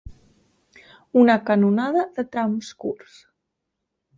Una canonada de trams curts.